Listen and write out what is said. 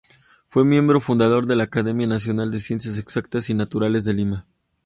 Fue miembro fundador de la Academia Nacional de Ciencias Exactas y Naturales de Lima.